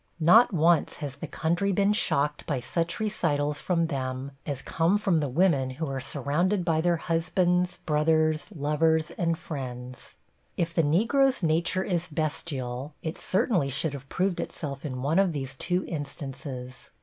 Not once has the country been shocked by such recitals from them as come from the women who are surrounded by their husbands, brothers, lovers and friends. If the Negro's nature is bestial, it certainly should have proved itself in one of these two instances.